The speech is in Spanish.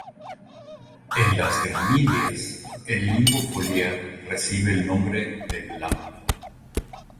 En las gramíneas el limbo foliar recibe el nombre de "lámina".